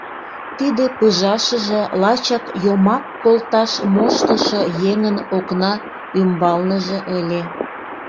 Тиде пыжашыже лачак йомак колташ моштышо еҥын окна ӱмбалныже ыле.